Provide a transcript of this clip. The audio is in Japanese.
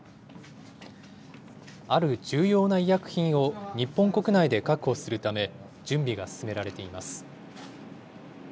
ある重要な医薬品を日本国内で確保するため、準備が進められています。